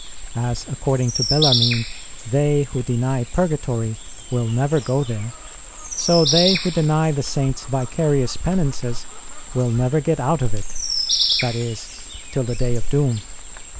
As (according to Bellarmine) they who deny Purgatory will never go there, so they who deny the Saints vicarious Penances will never get out of it (i.e., till the day of doom).